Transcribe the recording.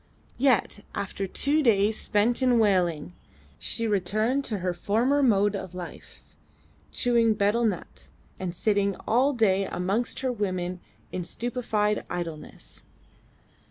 Yet after two days spent in wailing, she returned to her former mode of life, chewing betel nut, and sitting all day amongst her women in stupefied idleness.